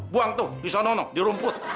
buang tuh di sana di rumput